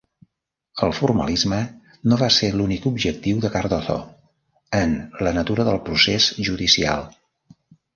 El formalisme no va ser l'únic objectiu de Cardozo en "La natura del procés judicial".